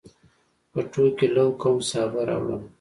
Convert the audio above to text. پټو کې لو کوم، سابه راوړمه